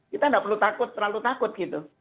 kita nggak perlu takut terlalu takut gitu